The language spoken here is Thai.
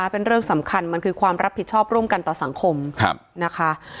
เป็นเรื่องสำคัญมันคือความรับผิดชอบร่วมกันต่อสังคมนะคะ